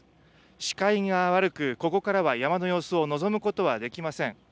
視界が悪く、ここからは山の様子を望むことはできません。